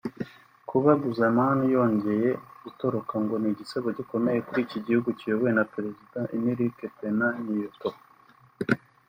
Kuba Guzman yongeye gutoroka ngo ni igisebo gikomeye kuri iki gihugu kiyobowe na Perezida Enrique Pena Nieto